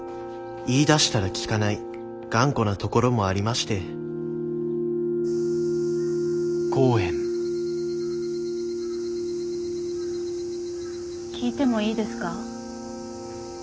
言いだしたら聞かない頑固なところもありまして聞いてもいいですか？